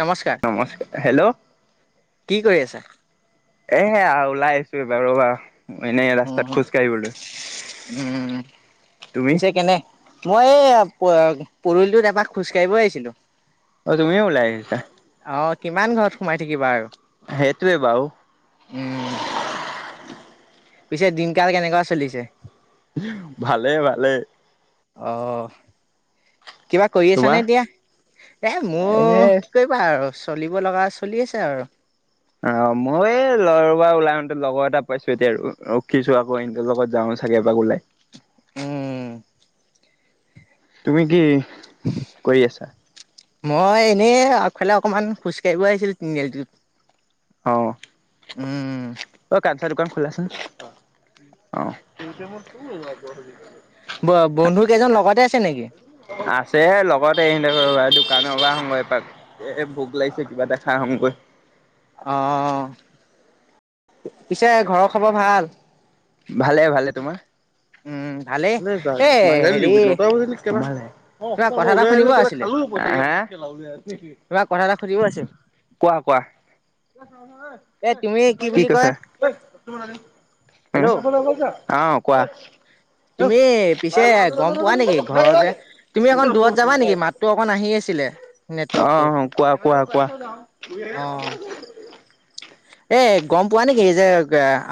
নমস্কাৰ নমস হেল্ল' কি কৰি আছা? এয়া ওলাই আহিছোঁ ৰ'বা। এনেই ৰাস্তাত উম খোজকাাঢ়িবলৈ। উম, পিছে কেনে, মই এই [unintelligible] পৰিলোটোত এবাৰ পৰা খোজকাঢ়িব আহিছিলো। অ', তুমিও উলাই আহিছা? অ', কিমান ঘৰত সোমাই থাকিবা আৰু। সেইটোৱে, বাউ। উম পিছে দিনকাল কেনেকুৱা চলিছে ভালে ভালে অহ অহ কিবা কৰি তোমাৰ আছানে এতিয়া এ এ মোৰ কি কৰিবা আৰু চলিব লগা চলি আছে আৰু অ মই এই লৰব ওলাই আহোতে লগৰ এটা পাইছোঁ এতিয়া আৰু ৰখিছো আকৌ এ লগত যাওঁ চাগে এবাক ওলাই উম তুমি কি কৰি আছা মই এনেই আগফালে অকণমান খোজকাঢ়িব আহিছিলোঁ তিনিআলিত অহ অ কাঞ্চা দোকান খোলা আছে নে? ব বন্ধু কেইজন লগতে আছে নেকি? আছে লগতে এ দোকান লগাম মই এপাক এ ভোক লাগিছে কিবা এটা খাই আহোগৈ। অ পিছে ঘৰৰ খবৰ ভাল? ভালে ভালে। তোমাৰ? উম ভালেই কোৱা এ হেৰি তোমাৰ কথা এটা শুনিব আছিলে তোমাৰ কথা এটা সুধিব আছিল কোৱা এ তুমি কি বুলি কয় কৈছা হেল্ল' অ কোৱা। তুমি পিছে গম পোৱা নেকি ঘৰৰ যে তুমি অকণ দূৰত যাবা নেকি মাতটো অকন আহি আছিলে অ নেটৱৰ্কটো কোৱা কোৱা কোৱা অ, এ গম পোৱা নেকি যে,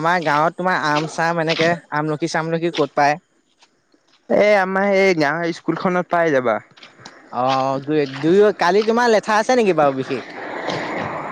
আমাৰ গাঁৱত তোমাৰ আম চাম এনেকে আমলখি চামলখি, কি ক'ত পায়। এ আমাৰ এই গাঁৱৰ স্কুলখনত পাই যাবা। অ দুই দুই কালি তোমাৰ লে, লেঠা আছে নেকি বাৰু বিশেষ।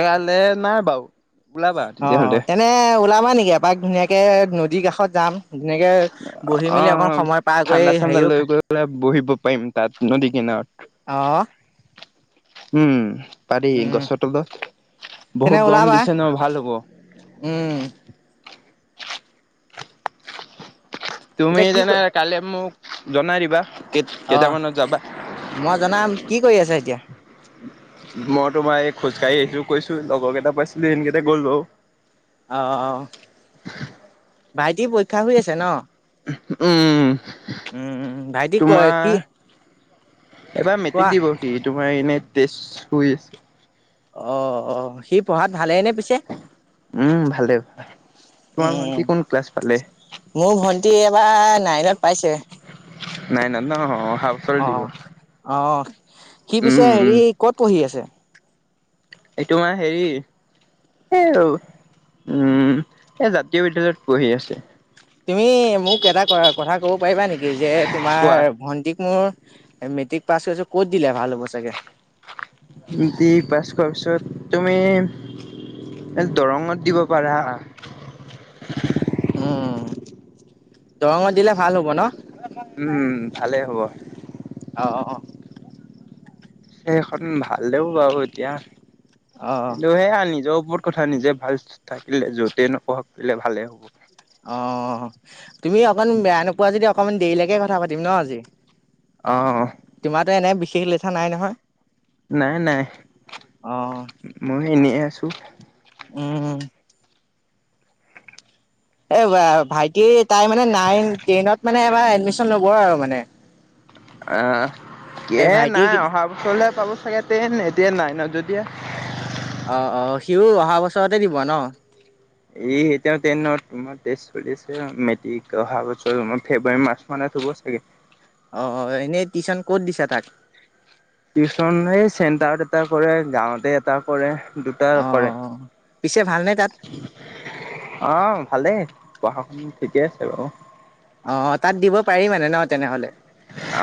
কাইলে নাই বাৰু ওলাবা অ তেতিয়াহ'লে তেনে ওলাবা যাবা নেকি এপাক ধুনীয়াকে নদীৰ কাষত যাম। ধুনীয়াকে বহি অ অ মেলি অকণ সময় পাৰ কৰি ঠাণ্ডা চাণ্ডা হেৰিও লৈ খা গৈ পেলাই বহিব পাৰিম তাত নদী কিনাৰত অ উম, পাৰি উম গছৰ তলত তেনে বহুত গৰম ওলাবা দিছে ন ভাল হ'ব। উম তুমি এতিয়া কি ক তেনে কালি মোক। জনাই দিবা। অ' কেইটামানত যাবা মই জনাম কি কৰি আছা এতিয়া? মই তোমাৰ এই খোজকাঢ়ি আহিলোঁ কৈছোয়ে। লগৰ কেইটা পাইছিলোঁ। সিহঁতকেইটা গ'ল অ' অ ভাইটিৰ পৰীক্ষা হৈ আছে ন? উম। উম, ভাইটি ক তোমাৰ কি এবাৰ মেট্ৰিক কোৱা দিব সি তোমাৰ এনে টেষ্টত হৈ আছে। অ অ সি পঢ়াত ভালেনে পিছে? উম ভালে তোমাৰ উম ভন্টি কোন ক্লাছ পালে? মোৰ ভন্টি এবাৰ নাইনত পাইছে। নাইনত ন অ। অ', অ', সি পিছে উম উম হেৰি কত পঢ়ি আছে? এই তোমাৰ হেৰি এই উম এই জাতীয় বিদ্যয়ালয়ত পঢ়ি আছে। তুমি মোক এটা কথা কব পাৰিবা নেকি? যে কোৱা তোমাৰ ভণ্টিক মোৰ মেট্ৰিক পাছ হৈছে ক'ত দিলে ভাল হব চাগে। মেট্ৰিক পাছ কৰাৰ পিছত। তুমি দৰঙত দিব পাৰা। উম দৰঙত দিলে ভাল হ'ব ন। উম ভালেই হ'ব। অঁ', অঁ', অঁ',। সেইখন ভাল দে বাৰু এতিয়া। অ অ টো সেইয়া নিজৰ ওপৰত কথা নিজে ভাল থাকিলে যতে নকলে ভালে হ'ব। অ'। তুমি অকণ বেয়া নোপোৱা যদি অকণমান দেৰিলৈকে কথা পাতিম ন আজি। অ', তোমাৰো এনে বিশ হিল লেঠা নাই নহয়। নাই নাই অ', মই এনে আছো। উম। এ ভাইটি তাই মানে নাইন টেনত মানে এবাৰ এডমিচন ল'ব আৰু মানে। অ', এই কিহে ভাইটি নাই অহা বছৰহে পাব। চাগে টেন এডেন নাই ন য এতিয়া। অ', অ', সিও অহা বছৰতে দিব ন? এই এতিয়া টেনত টেষ্ট চলিছে উম মেট্ৰিক অহা বছৰ তম ফেব্ৰুৱাৰী মাৰ্চ মানত হ'ব চাগে। অ', এনেই টিউশচন ক'ত দিছা তাক? টিউচন এই চেণ্টাৰত এটা কৰে গাঁৱতে এটা কৰে। দুটা কৰে অ', পিছে ভালনে তাত? অ', ভালেই পঢ়া উম ঠিকে আছে বাৰু। অ', তাত দিব পাৰি মানে ন তেনেহলে।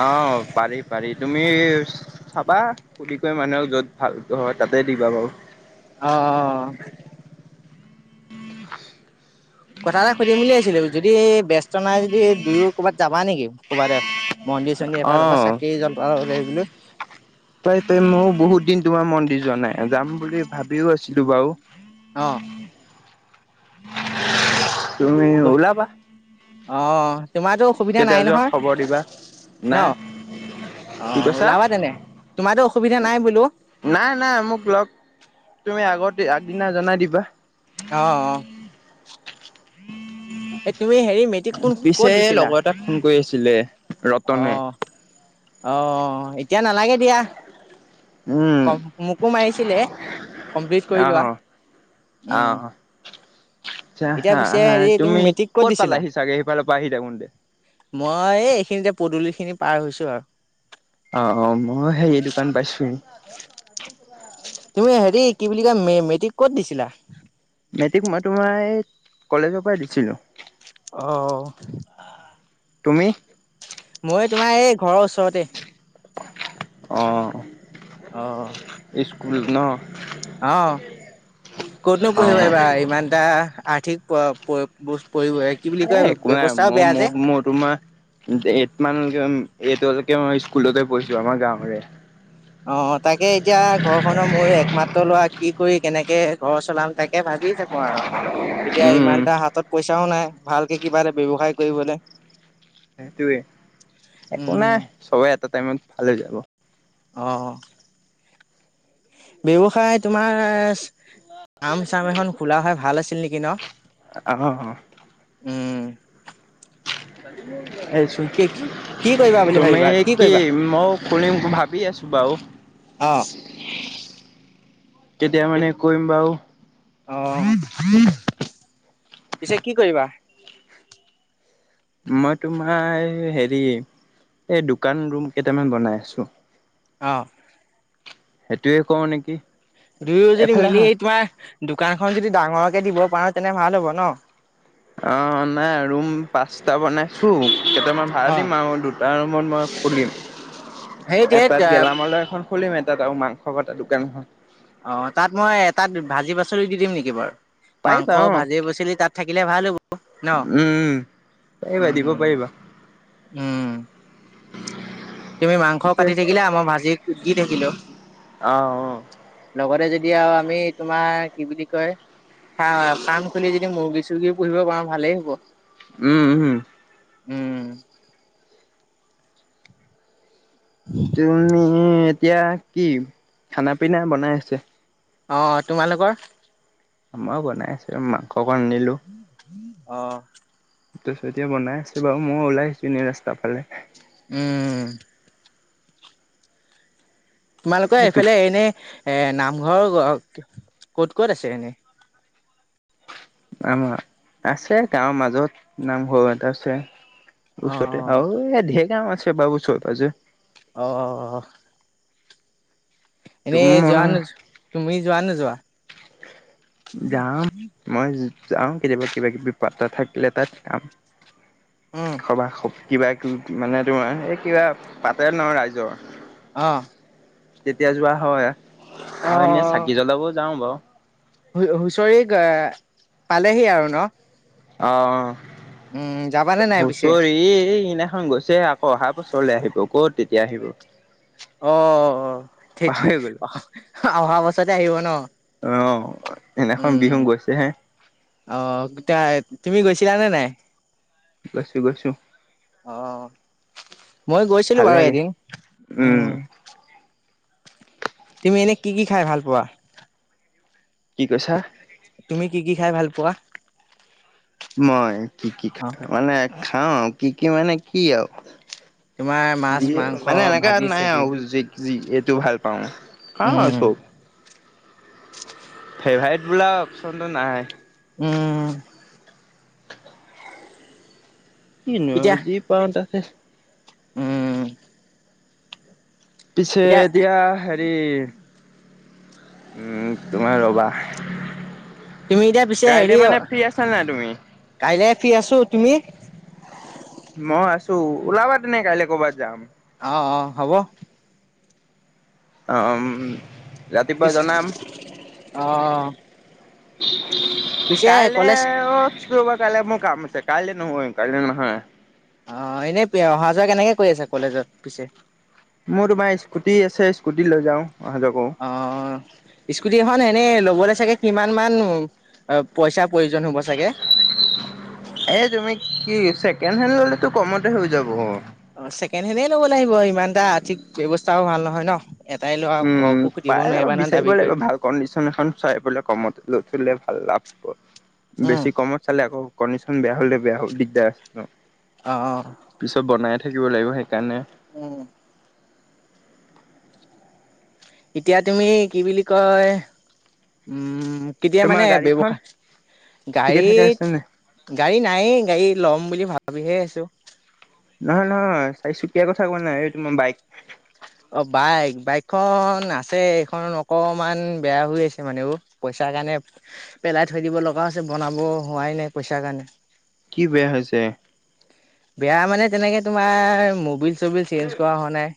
আহ পাৰি পাৰি তুমি চাবা খুলি কৈ মানুহক যত ভালক হয় তাতে দিবা বাৰু। অ', অ'। উম। কথা এটা সুধিম ভাবিছিলো। যদি ব্যস্ত নাই যদি দুয়ো ক'ৰবাত যাবা নেকি ক'ৰবাততে? বুলি। অহ'ধেইট তেই মইয়ো বহুত দিন তোমাৰ মন্দিৰ যোৱা নাই যাম বুলি ভাবিও আছিলোঁ বাৰু। অহ' তুমি গৈ ওলাবা, আহ তোমাৰটো অসুবিধা কেতিয়া নাই যোৱা নহয়। খবৰ দিবা। ন নাই, কি অ' কৈছা? ওলাবা তেনে তোমাৰটো অসুবিধা নাই বোলোঁ। নাই দে আগদিনা জনাই দিবা। আহ আহ এই তুমি হেৰি মেট্ৰিক কোন ক'ত পিছে দিছিলা লগৰ এটাক ফোন কৰি আছিলে ৰতনে। আহ, এতিয়া নালাগে দিয়া। উম, মোকো মাৰিছিলে, কমপ্লিট কৰি লোৱা। আহ, উম! আহ। এতিয়া পিছে হেৰি তুমি মেট্ৰিক ক'ত দিছিলা? পালাহি চাগে সেইফালৰ পৰা আহি থাকোতে? মই এইখিনিতে পদূলি খিনি পাৰ হৈছো আৰু। অ' অ' মই সেই দোকান পাইছোহি। তুমি হেৰি কি বুলি কয়, মেট্ৰিক ক'ত দিছিলা? মেট্ৰিক মই তোমাৰ এই কলেজৰ পৰাই দিছিলো। আহ। তুমি? মই তোমাৰ এই ঘৰৰ ওচৰতে। আহ। আহ। ল ন? অ' ক'তনো পঢ়িব অ'। পাৰিবা ইমান এটা আৰ্থিক [unintelligible] কি বুলি এ কয় একো নাই ব্যৱস্থাও মই বেয়া যে মোক মোৰ তোমাৰ এই মানকে এইটোকে মই, স্কুলতে পঢিছোঁ আমাৰ গাঁৱৰে। অ তাকে এতিয়া ঘৰখনৰ ময়ো একমাত্ৰ লৰা কি কৰি কেনেকে ঘৰ চলাম তাকে ভাবি থাকো, আৰু এতিয়া উম ইমান এটা হাতত পই পইচাও নাই ভালকে কিবা এটা ব্যৱসায় কৰিবলে। সেইটোয়ে একো উম নাই চবেই এটা টাইমত। ভালে যাব। অ, ব্যৱসায় তোমাৰ আম চাম এখন খোলা হয় ভাল আছিল নেকি অ ন উম, [inaudible] [inaudible] এই কি কি কৰিবা বুলি তুমি ভাবিবা কি কৰিবা মই কৰিম ভাবি আছো বাৰু কেতিয়া [inaudible] মানে কৰিম বাৰু আহ পিছে কি কৰিবা। মই তোমাৰ হেৰি এই দোকান ৰুম কেইটামান বনাই আছো। অ, সেইটোয়ে কওঁ নেকি। দুয়ো যদি, এফালে মিলি আহা তোমাৰ দোকানখন যদি ডাঙৰ কে দিব পাৰোঁ তেনে, ভাল হ'ব ন। অ, নাই ৰুম পাঁচটা বনাইছোঁ, কেইটামান ভাড়া দিম, আৰু দুটা ৰুমত মই খুলিম, সেই তেত এটাত গেলামালৰ এখন খুলিম এটাত আৰু মাংস কটা দোকান খন। অ, তাত মই এটাত ভাজি পাচলি দি, দিম নেকি বাৰু। মাংস, পাৰিবা অ ভাজি পাচলি তাত থাকিলে ভাল হ'ব ন। উম পাৰিবা দিব উম, পাৰিবা উম। তুমি মাংস পিছে কাতি থাকিলে, আমাৰ ভাজি দি থাকিলো। অ, অ। লগতে যেতিয়া, আমি তোমাৰ কি বুলি কয়, ফাৰ্ম খুলি, যদি মুৰ্গী, চৰ্গী পুহিব পাৰোঁ ভালেই হ'ব। উম, উম। উম। তুমি তুমি, এতিয়া কি খানা পিনা বনাই আছে? অ, তোমালোকৰ। আমাৰ বনাই আছোঁ মাংস অকণ নিলোঁ। অ। টো, এতিয়া বনাই আছো বাৰু, মই ওলাই আহিছো এনেই ৰাস্তাৰ ফালে। উম। তোমালোকৰ এইটোক এইফালে এনেই এ, নামঘৰ ক'ত, ক'ত আছে এনেই? আমাৰ, আছে গাঁৱৰ মাজত নামঘৰ এটা আছে। অ', ওচৰতে অ', আৰু, এই ঢেৰ কাম আছে। আছে বা উচৰে পাজৰে। অ। এনেই তোমাৰ যোৱা নোযোৱা, তুমি যোৱা নোযোৱা? যাওঁ, মই। যাওঁ কেতিয়াবা, কিবা, কিবি পাতা থাকিলে, তাত কাম। অ', সবা খব কিবা কিবি মানে, তোমাৰ এই কিবা পাতে ন ৰাইজৰ। অ। তেতিয়া যোৱা হয়। আৰু এনে চাকি জ্বলাবও যাও বাৰু। হু, হুঁচৰি অ', পালেহি আৰু ন। অ' অ' উম, যাবানে নাই পিছে? হুচৰি সিদিনাখন গৈছে আকৌ অহা বছৰলৈ আহিব ক'ত তেতিয়া আহিব অ' অ' অ' থেত পাহৰি গলো অহা বছৰতে আহিব ন অ সেইদিনাখন বিহু উম গৈছে হে অহ গোটাই তুমি গৈছিলানে নাই গৈছো গৈছো, অ' মই গৈছিলো ভাল বাৰু লাগে এদিন উম তুমি এনে কি কি খাই ভাল পোৱা, কি কৈছা তুমি কি কি খাই ভাল পোৱা, মই কি কি অ', খাই মানে, অ' কি কি মানে কি আৰু তোমাৰ মাছ, যিয়ে মাংস, মানে এনেকাে ভাজি নাই চাজি আৰু জি এইটো ভাল পাওঁ, খাও উম, চব, ফেভাৰেট বোলা অপশচনটো নাই, উম।। কিনো এতিয়া আজি পাওঁটাকে, স [unintelligible] উম পিছে এতিয়া দিয়া হেৰি, সেৰি, উম তুমাৰ ৰবা, তুমি এতিয়া পিছে কাইলে হেৰি মানে ফ্ৰী আছা নাই তুমি? কাইলে ফ্ৰী আছো তুমি, মই আছো ওলাবা তেনে কাইলৈ কৰ'বাত যাম, অ' অ' হব অহ উম।। অহ।। উ [unintelligible] কাইলৈ অ' শুক্ৰবাৰ কাইলৈ মোৰ কাম আছে কাইলৈ নহয় কাইলৈ নহয় অ' এনেই অহা যোৱা কেনেকে কৰি আছা কলেজত পিছে মোৰ তোমাৰ স্কুটি আছে স্কুটি লৈ যাওঁ অহা যোৱা কৰো অ' স্কুটি এখন এনে লব লবলে চাগে কিমান মান অ' পইচা প্ৰয়োজন হ'ব চাগে এ তুমি কি হৈছে। তেনেহলে তো কমতে হৈ যাব, অ। অ, ছেকেণ্ড হেণ্ডে লব লাগিব ইমান এটা আৰ্থিক ব্যৱস্থাও ভাল নহয় ন। এটাই ল'ৰা উম, ঘৰকো সুধিব পাই যাব নোৱাৰিবা নহয় বিচাৰিব দাবী লাগিব কৰি ভাল কণ্ডিচন এখন চাই পেলাই কমত লৈ থৈ দিলে আল্লাহাপুৰ। উম বেছি কমত চালে আকৌ কণ্ডিচন বেয়া হলে বেয়া দিগদাৰ আছে। অ অ পিছত বনাই খুজিব লাগিব হে কানে উম এতিয়া তুমি কি বুলি কয়, উম। কেতিয়া তোমাৰ মানে গাড়ীখন ব্যৱসায় ঠিকে থাকে গাড়ীত, আছে নে? গাড়ী নায়েই গাড়ী ল'ম বুলি ভাবো ভাবিহে আছো। নহয়- নহয় চাৰিচুকীয়াৰ কথা কোৱা নাই, এই তোমাৰ বাইক অ বাইক বাইকখন আছে এইখন অকমান বেয়া হৈ আছে মানে পইচাৰ কাৰণে পেলাই থৈ দিব লগা হৈছে বনাব হোৱাই নাই পইচা কাৰণে। কি বেয়া হৈছে? সেয়া মানে তেনেকে তোমাৰ মবিল চব চেঞ্জ কৰা হোৱা নাই,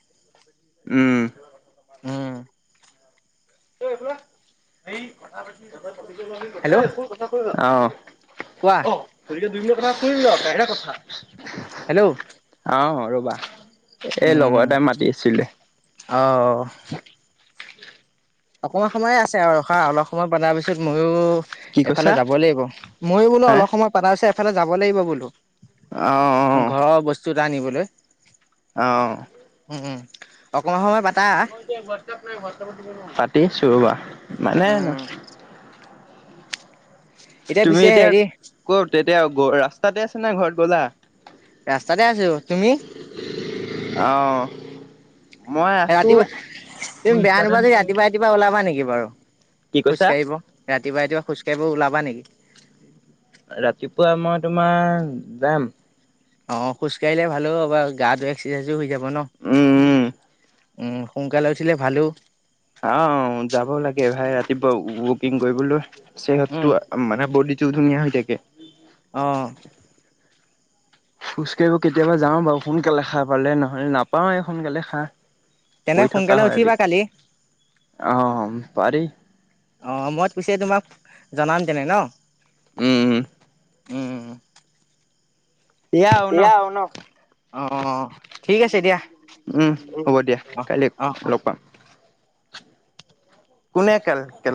উম। উম। ঐ এইফালে আহ। সেই কথা কোনডখত হেল্ল' [unintelligible] ঐ কি কথা ক না অঁ। কোৱা অ, ধই ল দুই লক কথাটো শুনি ল, বাহিৰা কথা। হেল্ল'। অ, ৰ'বা। এই উম লগৰ এটাই মাতি আছিলে। অ অকমান সময়ে আছে আৰু খা অলপ সময় বনাৰ পিছত মইও কি এইফালে কৈছা যাব লাগিব। মইও বোলো হা অলপ সময় পাতা ছত। এফালে যাব লাগিব বোলো। অ' ঘৰ বস্তু আনিবলৈ অহ, উম উম অকনমান সময় বাট। মই এতিয়া হোৱাটছএপ খুলি, হোৱাটছএপত দিব নোৱাৰোঁ। হাট চবা মানে নো উম তুমি পিছে এতিয়া হেৰি কৰ তেয়া এয়া ৰাস্তাতে আছে না ঘৰত গ'লা ৰাস্তাতে আছো তুমি অ' মই আছো ৰাতিপুৱা তুমি বেয়া নিবা যদি ৰাতিপুৱ ৰাতিপুৱা ওলাবা নেকি, বাৰ কি খোজ কৈছা? কাঢ়িব ৰাতি, কেতিয়াৱা ৰাতিপুৱা খোজ ককাঢ়িব ওলাবা নেকি ৰাতিপুৱা মই তোমাৰ যাম, অ' খোজ কঢ়িলে ভালো আব গাটো এক্সাৰচাইজো হৈ যাব কনো উম উম সোনকালে উঠে ভালে আহ যাব লাগে ভাই ৰাতিপুৱা ৱকিং কৰিবলৈ উম সিহতটো মানে বডি ধুনীয়া হৈ থাকে আহ খোজ কঢ়িব কেতিয়াবা যাওঁ বাৰু সোনকালে খাই পালে নহলে নাপাও এই সোনকালে খা তেনে সোনকালে উঠিবা কালি অ পাৰি আহ মই কৈছে তোমাক জনাম তেনে ন উম উম।। আৰু ন এয়া অন অ' ঠিক আছে দিয়া উম হ'ব দিয়া অ কাইলৈ অ লগ পাম কোনে খেল খেল,